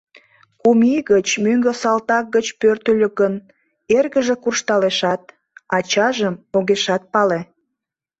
Кум ий гыч мӧҥгӧ салтак гыч пӧртыльӧ гын, эргыже куржталешат, ачажым огешат пале.